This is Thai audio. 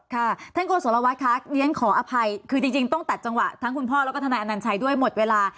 ค่ะท่านโกศลวัฒน์ค่ะเรียนขออภัยคือจริงต้องตัดจังหวะทั้งคุณพ่อแล้วก็ทนายอนัญชัยด้วยหมดเวลา